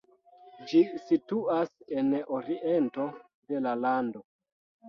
Ĝi situas en oriento de la lando.